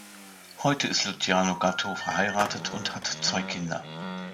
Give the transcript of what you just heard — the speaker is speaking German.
Heute ist Luciano Gatto verheiratet und hat zwei Kinder.